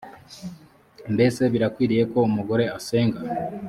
mbese birakwiriye ko umugore asenga